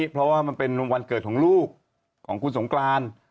เพราะว่ามันเป็นวันเกิดของลูกของคุณสงกราน